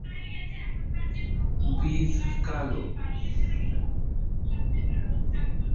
বীজ কালো।